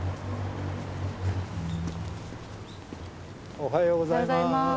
おはようございます。